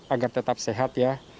agar tetap sehat ya